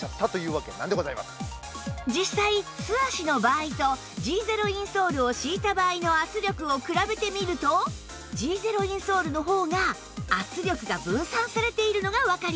実際素足の場合と Ｇ ゼロインソールを敷いた場合の圧力を比べてみると Ｇ ゼロインソールの方が圧力が分散されているのがわかります